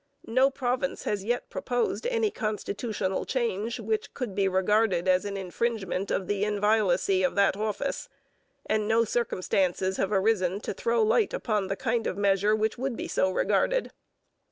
No province has yet proposed any constitutional change which could be regarded as an infringement of the inviolacy of that office, and no circumstances have arisen to throw light upon the kind of measure which would be so regarded.